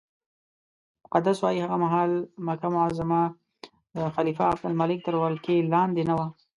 مقدسي وایي هغه مهال مکه معظمه د خلیفه عبدالملک تر واک لاندې نه وه.